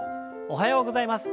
おはようございます。